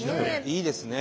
いいですね。